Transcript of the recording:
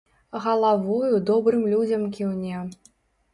Галавою добрым людзям кіўне.